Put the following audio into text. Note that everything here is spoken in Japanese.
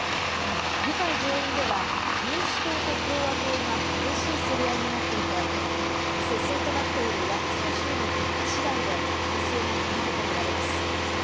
議会上院では民主党と共和党が激しい競り合いになっていて接戦となっている８つの州の結果次第で大勢が決まるとみられます。